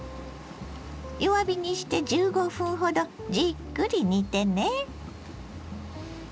弱火にして１５分ほどじっくり煮てね。